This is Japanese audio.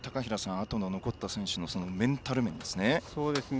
あとで残った選手のメンタル面ですね。